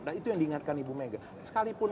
nah itu yang diingatkan ibu mega sekalipun